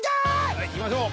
はい行きましょう。